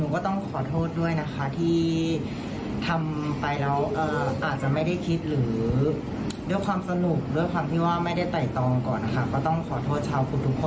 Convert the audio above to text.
ก็ต้องขอโทษชาวคุณทุกคนด้วยนะคะ